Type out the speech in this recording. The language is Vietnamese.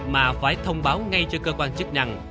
mà phải thông báo ngay cho cơ quan chức năng